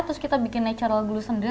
terus kita bikin natural glow sendiri